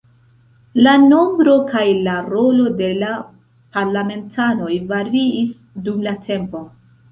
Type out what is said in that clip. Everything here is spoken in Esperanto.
La nombro kaj la rolo de la parlamentanoj variis dum la tempo.